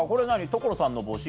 所さんの帽子？